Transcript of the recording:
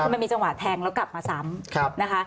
มันมีจังหวะแทงแล้วกลับมาซ้ำ